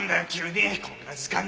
こんな時間に！